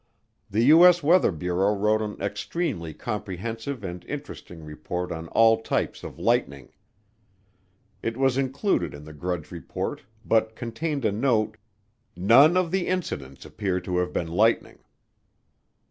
The U.S. Weather Bureau wrote an extremely comprehensive and interesting report on all types of lightning. It was included in the Grudge Report but contained a note: "None of the recorded incidents appear to have been lightning."